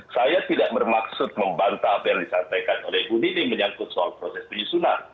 saya tidak bermaksud membantah apa yang disampaikan oleh bu nini menyangkut soal proses penyusunan